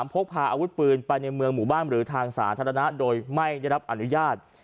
พกพาอาวุธปืนไปในเมืองหมู่บ้านหรือทางสาธารณะโดยไม่ได้รับอนุญาต